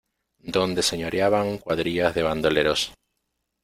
donde señoreaban cuadrillas de bandoleros: